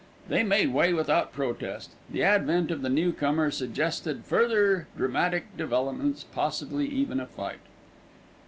They made way without protest. The advent of the newcomer suggested further dramatic developments, possibly even a fight.